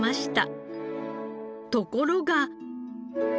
ところが。